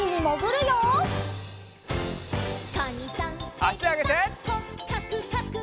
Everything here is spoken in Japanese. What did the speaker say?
あしあげて。